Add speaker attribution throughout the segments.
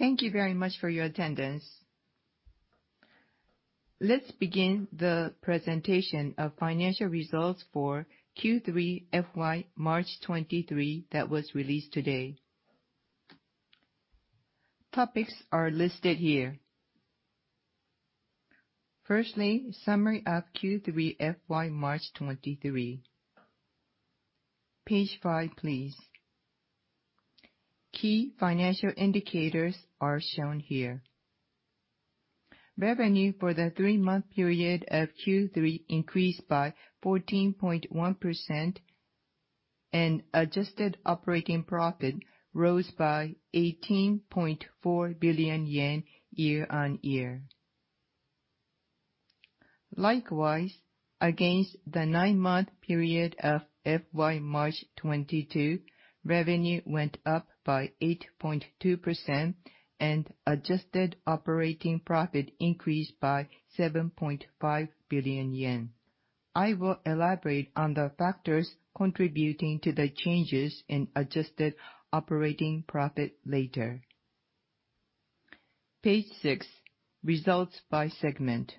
Speaker 1: Thank you very much for your attendance. Let's begin the presentation of financial results for Q3 FY March 2023 that was released today. Topics are listed here. Firstly, summary of Q3 FY March 2023. Page five, please. Key financial indicators are shown here. Revenue for the three-month period of Q3 increased by 14.1%, and Adjusted Operating Profit rose by 18.4 billion yen year-on-year. Likewise, against the nine-month period of FY March 2022, revenue went up by 8.2%, and Adjusted Operating Profit increased by 7.5 billion yen. I will elaborate on the factors contributing to the changes in Adjusted Operating Profit later. Page six, results by segment.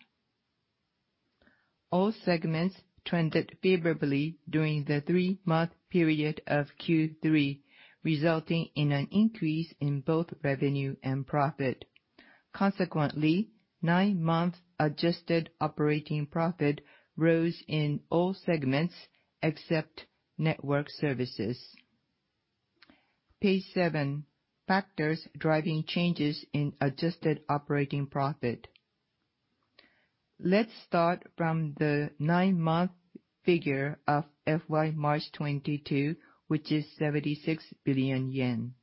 Speaker 1: All segments trended favorably during the three-month period of Q3, resulting in an increase in both revenue and profit. Consequently, nine-month Adjusted Operating Profit rose in all segments except Network Services. Page seven, factors driving changes in Adjusted Operating Profit. Let's start from the nine-month figure of FY March 2022, which is 76 billion yen.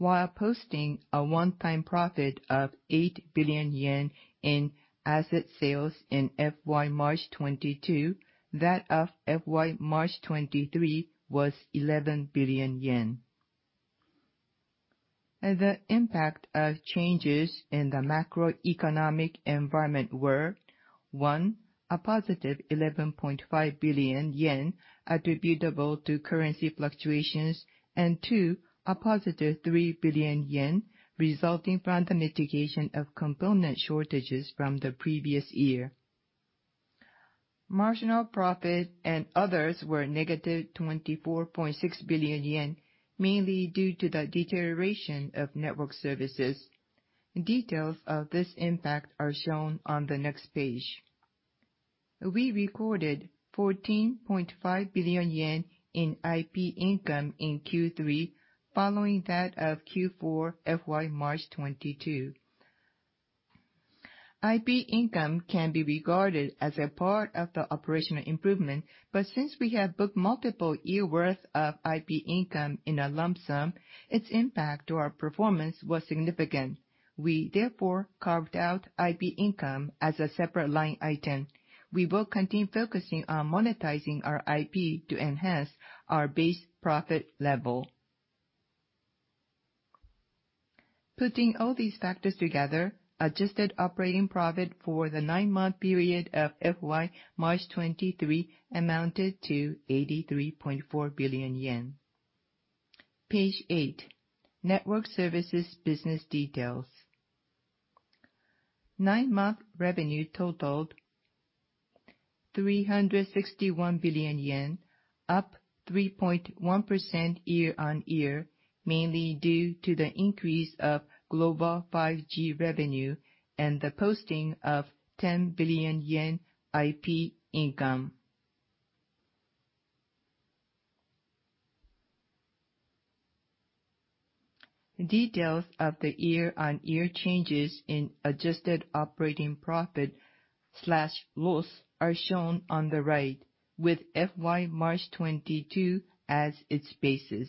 Speaker 1: Posting a one-time profit of 8 billion yen in asset sales in FY March 2022, that of FY March 2023 was JPY 11 billion. The impact of changes in the macroeconomic environment were, one, +11.5 billion yen attributable to currency fluctuations, and two, +3 billion yen resulting from the mitigation of component shortages from the previous year. Marginal profit and others were -24.6 billion yen, mainly due to the deterioration of network services. Details of this impact are shown on the next page. We recorded 14.5 billion yen in IP income in Q3, following that of Q4 FY March 2022. Since we have booked multiple-year worth of IP income in a lump sum, its impact to our performance was significant. We therefore carved out IP income as a separate line item. We will continue focusing on monetizing our IP to enhance our base profit level. Putting all these factors together, Adjusted Operating Profit for the nine-month period of FY March 2023 amounted to 83.4 billion yen. Page eight, Network Services business details. Nine-month revenue totaled JPY 361 billion, up 3.1% year-over-year, mainly due to the increase of global 5G revenue and the posting of 10 billion yen IP income. Details of the year-over-year changes in Adjusted Operating Profit/loss are shown on the right, with FY March 2022 as its basis.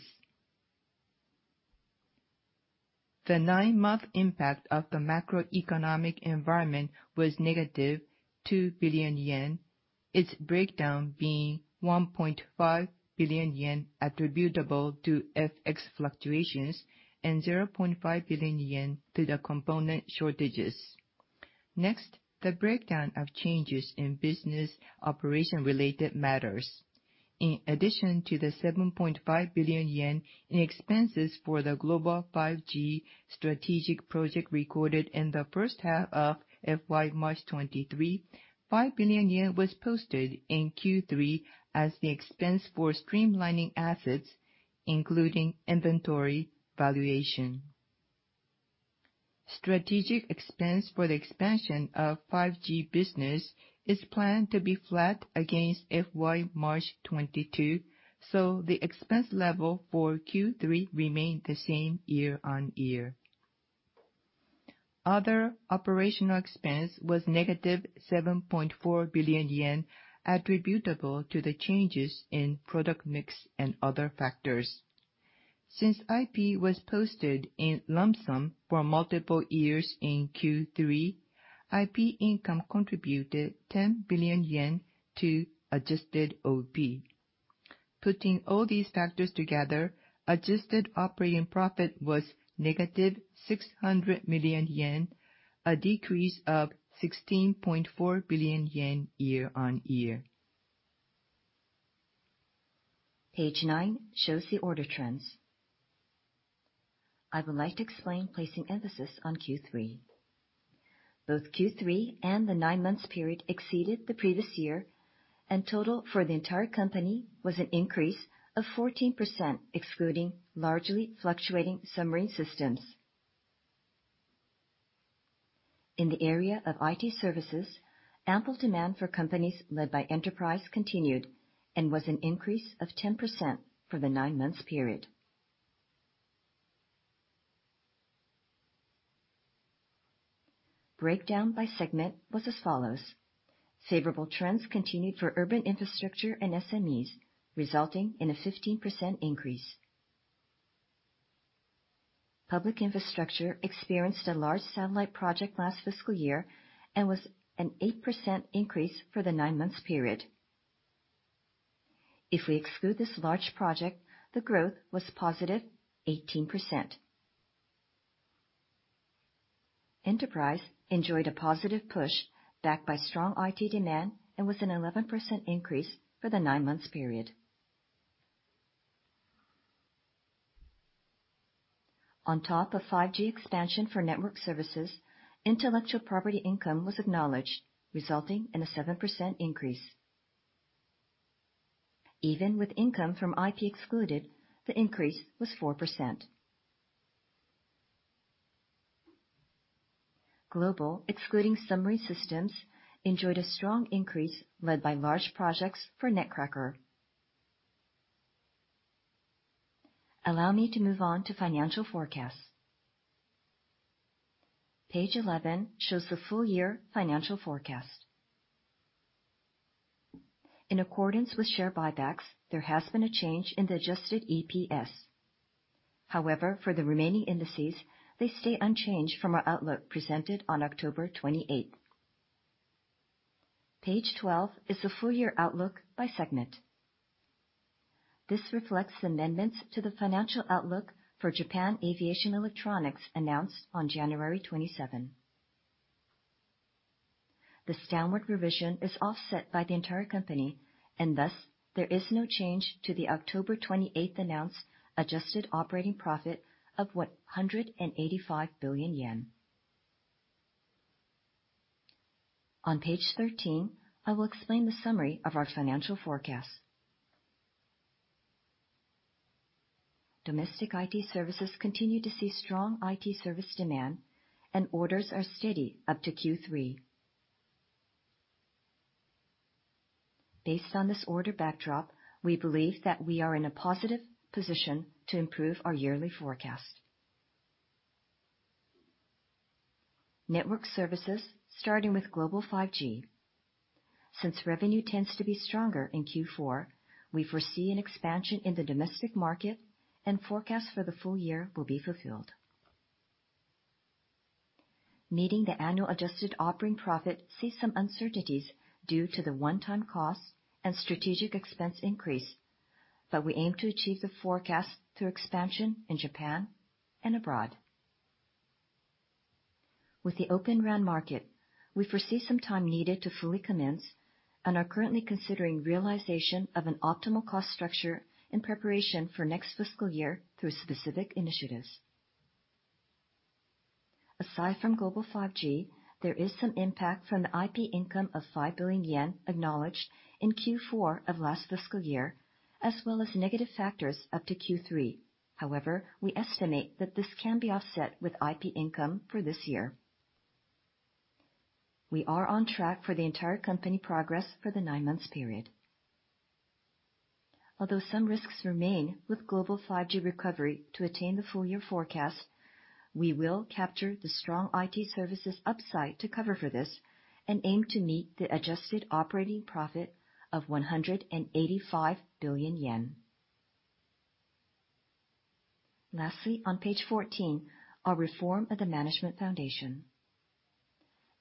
Speaker 1: The nine-month impact of the macroeconomic environment was -2 billion yen, its breakdown being 1.5 billion yen attributable to FX fluctuations and 0.5 billion yen to the component shortages. Next, the breakdown of changes in business operation related matters. In addition to the 7.5 billion yen in expenses for the global 5G strategic project recorded in the first half of FY March 2023, 5 billion yen was posted in Q3 as the expense for streamlining assets, including inventory valuation. Strategic expense for the expansion of 5G business is planned to be flat against FY March 2022, so the expense level for Q3 remained the same year-on-year. Other operational expense was -7.4 billion yen attributable to the changes in product mix and other factors. Since IP was posted in lump sum for multiple years in Q3, IP income contributed 10 billion yen to Adjusted OP. Putting all these factors together, Adjusted Operating Profit was -600 million yen, a decrease of 16.4 billion yen year-on-year.
Speaker 2: Page nine shows the order trends. I would like to explain placing emphasis on Q3. Both Q3 and the 9 months period exceeded the previous year. Total for the entire company was an increase of 14% excluding largely fluctuating submarine systems. In the area of IT services, ample demand for companies led by Enterprise continued and was an increase of 10% for the nine months period. Breakdown by segment was as follows. Favorable trends continued for urban infrastructure and SMEs, resulting in a 15% increase. Public infrastructure experienced a large satellite project last fiscal year and was an 8% increase for the nine months period. If we exclude this large project, the growth was +18%. Enterprise enjoyed a positive push backed by strong IT demand and was an 11% increase for the nine months period. On top of 5G expansion for Network Services, intellectual property income was acknowledged, resulting in a 7% increase. Even with income from IP excluded, the increase was 4%. Global, excluding submarine systems, enjoyed a strong increase led by large projects for Netcracker. Allow me to move on to financial forecasts. Page 11 shows the full year financial forecast. In accordance with share buybacks, there has been a change in the adjusted EPS. For the remaining indices, they stay unchanged from our outlook presented on October 28th. Page 12 is the full year outlook by segment. This reflects amendments to the financial outlook for Japan Aviation Electronics announced on January 27th. The downward revision is offset by the entire company and thus there is no change to the October 28th announced Adjusted Operating Profit of 185 billion yen. On page 13, I will explain the summary of our financial forecast. Domestic IT services continue to see strong IT service demand and orders are steady up to Q3. Based on this order backdrop, we believe that we are in a positive position to improve our yearly forecast. Network services starting with global 5G. Since revenue tends to be stronger in Q4, we foresee an expansion in the domestic market and forecast for the full year will be fulfilled. Meeting the annual Adjusted Operating Profit sees some uncertainties due to the one-time costs and strategic expense increase, but we aim to achieve the forecast through expansion in Japan and abroad. With the Open RAN market, we foresee some time needed to fully commence and are currently considering realization of an optimal cost structure in preparation for next fiscal year through specific initiatives. Aside from global 5G, there is some impact from the IP income of 5 billion yen acknowledged in Q4 of last fiscal year, as well as negative factors up to Q3. We estimate that this can be offset with IP income for this year. We are on track for the entire company progress for the nine months period. Although some risks remain with global 5G recovery to attain the full year forecast, we will capture the strong IT services upside to cover for this and aim to meet the Adjusted Operating Profit of 185 billion yen. Lastly, on page 14, our reform of the management foundation.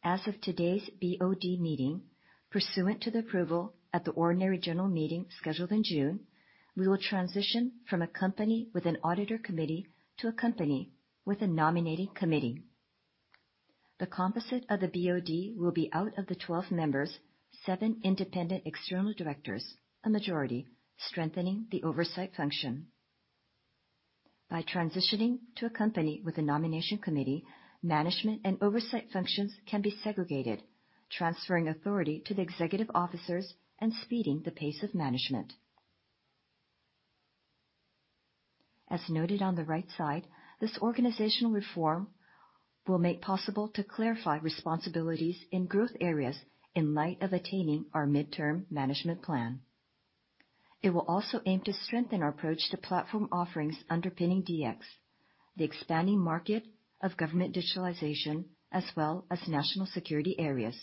Speaker 2: As of today's BOD meeting, pursuant to the approval at the ordinary general meeting scheduled in June, we will transition from a Company with an Audit and Supervisory Committee to a Company with a Nominating Committee. The composite of the BOD will be out of the 12 members, seven independent external directors, a majority strengthening the oversight function. By transitioning to a company with a Nominating Committee, management and oversight functions can be segregated, transferring authority to the executive officers and speeding the pace of management. As noted on the right side, this organizational reform will make possible to clarify responsibilities in growth areas in light of attaining our Mid-term Management Plan. It will also aim to strengthen our approach to platform offerings underpinning DX, the expanding market of government digitalization, as well as national security areas.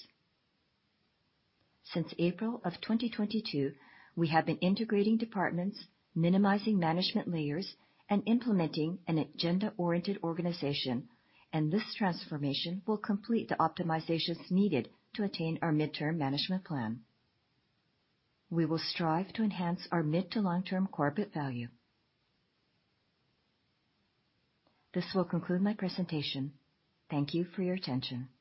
Speaker 2: Since April of 2022, we have been integrating departments, minimizing management layers, and implementing an agenda-oriented organization, and this transformation will complete the optimizations needed to attain our Mid-term Management Plan. We will strive to enhance our mid to long-term corporate value. This will conclude my presentation. Thank you for your attention.